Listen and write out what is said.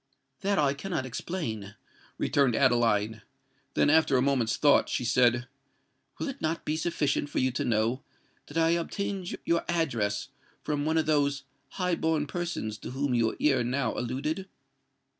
"That I cannot explain," returned Adeline: then, after a moment's thought, she said, "Will it not be sufficient for you to know that I obtained your address from one of those high born persons to whom you ere now alluded?"